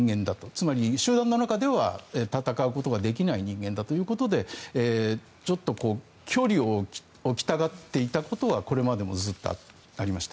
つまり、集団の中では戦うことができない人間だということでちょっと距離を置きたがっていたことはこれまでもずっとありました。